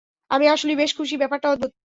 আমি আসলেই বেশ খুশি, ব্যাপারটা অদ্ভুত।